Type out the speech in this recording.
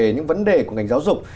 những vấn đề của ngành giáo dục